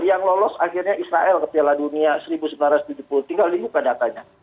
yang lolos akhirnya israel ke piala dunia seribu sembilan ratus tujuh puluh tinggal dibuka datanya